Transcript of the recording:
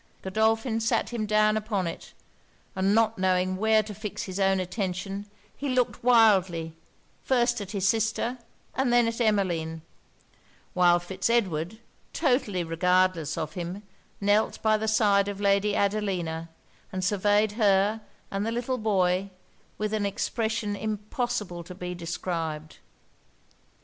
Godolphin sat him down upon it; and not knowing where to fix his own attention, he looked wildly, first at his sister, and then at Emmeline; while Fitz Edward, totally regardless of him, knelt by the side of Lady Adelina, and surveyed her and the little boy with an expression impossible to be described.